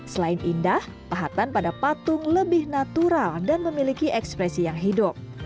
selain indah pahatan pada patung lebih natural dan memiliki ekspresi yang hidup